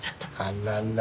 あらら。